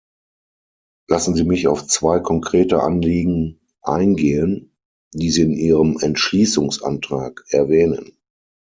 Lassen Sie mich auf zwei konkrete Anliegen eingehen, die Sie in Ihrem Entschließungsantrag erwähnen.